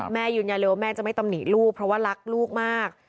แม่อยู่ในระยะว่าแม่จะไม่ต้องหนีลูกเพราะว่ารักลูกมาก